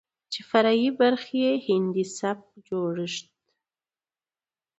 چې فرعي برخې يې هندي سبک جوړښت،